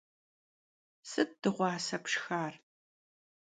Sıt dığuase pşşxar?